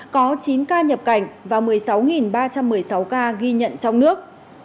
có chín ca nhập cảnh và một mươi sáu ba trăm một mươi sáu ca ghi nhận trong nước